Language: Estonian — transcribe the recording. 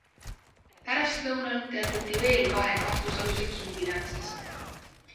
Pärastlõunal teatati veel kahe kahtlusaluse kinnipidamisest.